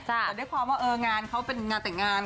แต่ด้วยความว่างานเขาเป็นงานแต่งงาน